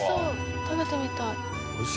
食べてみたい。